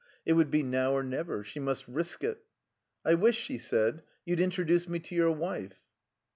It would be now or never. She must risk it. "I wish," she said, "you'd introduce me to your wife."